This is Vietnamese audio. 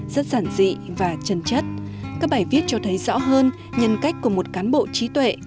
rất giản dị và chân chất các bài viết cho thấy rõ hơn nhân cách của một cán bộ trí tuệ